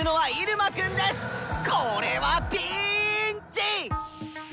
これはピーンチ！